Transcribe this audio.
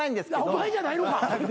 お前じゃないのか。